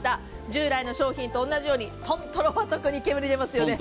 従来の商品と同じようにトントロも煙出ますよね。